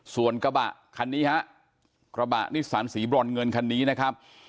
ส่วนกระบะคันนี้ฮะกระบะนิสสันสีบรอนเงินคันนี้นะครับ